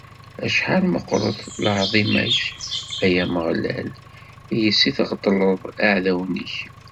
Acḥal meqqret lɛaḍima-k, ay Ameɣlal, yes-s i tɣeṭṭleḍ iɛdawen-ik.